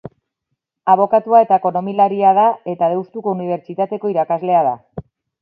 Abokatua eta ekonomialaria da eta Deustuko Unibertsitateko irakaslea da.